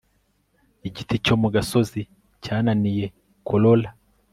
igiti cyo mu gasozi cyananiye corolla